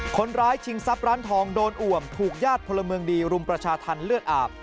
ชิงทรัพย์ร้านทองโดนอ่วมถูกญาติพลเมืองดีรุมประชาธรรมเลือดอาบ